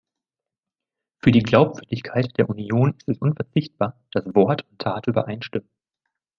Für die Glaubwürdigkeit der Union ist es unverzichtbar, dass Wort und Tat übereinstimmen.